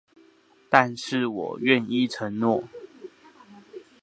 但是我願意承諾